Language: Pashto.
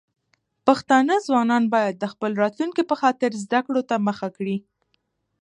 پښتانه ځوانان بايد د خپل راتلونکي په خاطر زده کړو ته مخه کړي.